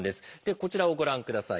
こちらをご覧ください。